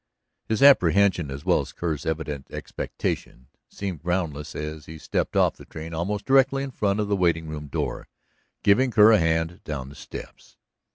His apprehension, as well as Kerr's evident expectation, seemed groundless as he stepped off the train almost directly in front of the waiting room door, giving Kerr a hand down the steps.